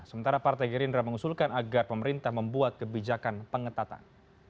sementara partai gerindra mengusulkan agar pemerintah membuat kebijakan pengetatan